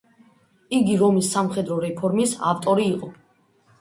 იგი რომის სამხედრო რეფორმის ავტორი იყო.